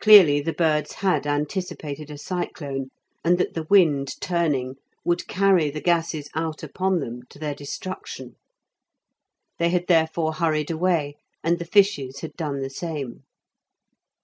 Clearly the birds had anticipated a cyclone, and that the wind turning would carry the gases out upon them to their destruction. They had therefore hurried away, and the fishes had done the same.